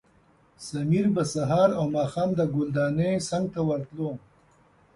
سمیر به سهار او ماښام د ګلدانۍ څنګ ته ورتلو.